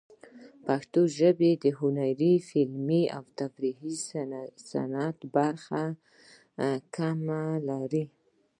پښتو ژبه د هنري، فلمي، او تفریحي صنعت برخه کمه لري.